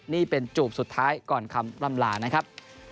นี่เป็นจูบสุดท้ายก่อนคำลำลานะครับ